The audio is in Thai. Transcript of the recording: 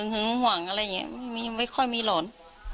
หึงหวังอะไรอย่างเงี้ยไม่มีไม่ค่อยมีหลอน